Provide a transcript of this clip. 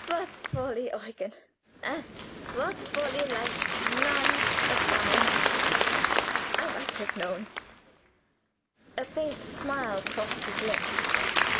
What folly, Eugen! and folly like none but thine. I might have known " A faint smile crossed his lips.